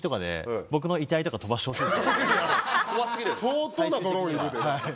相当なドローンいるで。